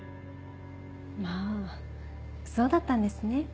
まぁそうだったんですね。